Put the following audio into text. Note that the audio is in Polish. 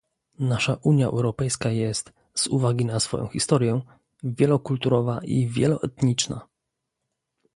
Nasza Unia Europejska jest, z uwagi na swoją historię, wielokulturowa i wieloetniczna